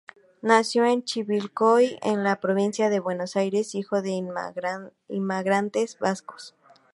Nació en Chivilcoy, en la provincia de Buenos Aires, hijo de inmigrantes vascos.